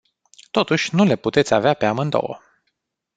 Totuși, nu le puteți avea pe amândouă!